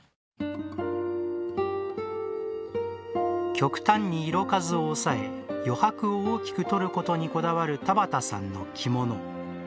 極端に色数を抑え余白を大きく取ることにこだわる田畑さんの着物。